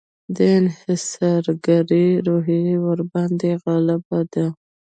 د انحصارګري روحیه ورباندې غالبه ده.